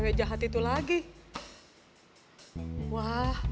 dia nganeh di suara